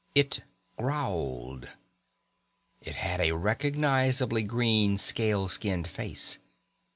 It growled. It had a recognizably green, scale skinned face.